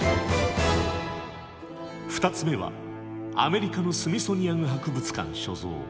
２つ目はアメリカのスミソニアン博物館所蔵。